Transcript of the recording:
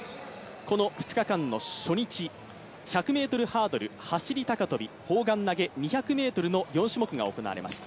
この２日間の初日、１００ｍハードル、走高跳、砲丸投、２００ｍの種目が行われます。